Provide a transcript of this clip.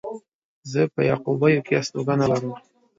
زه په يعقوبيو کې هستوګنه لرم.